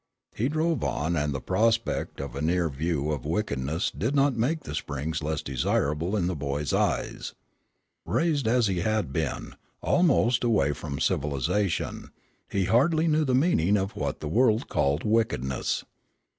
He drove on, and the prospect of a near view of wickedness did not make the Springs less desirable in the boy's eyes. Raised as he had been, almost away from civilization, he hardly knew the meaning of what the world called wickedness.